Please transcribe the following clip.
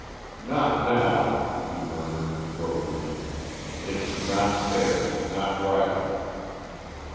"Not now," he murmured, brokenly. "It's not fair not right!"